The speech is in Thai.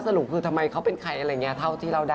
สรุปคือทำไมเขาเป็นใครอะไรอย่างนี้เท่าที่เราได้